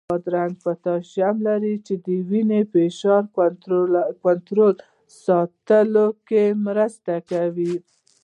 بادرنګ پوتاشیم لري، چې د وینې فشار کنټرول ساتلو کې مرسته کوي.